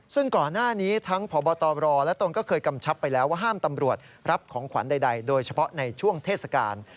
ซึ่งก่อนหน้านี้ทั้งพบตรและตนก็เคยกำชับไปแล้วว่าห้ามตำรวจรับของขวัญใดโดยเฉพาะในช่วงเทศกาล